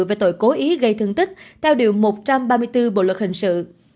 về tội cố ý gây thương tích theo điều một trăm ba mươi bốn bộ luật hình sự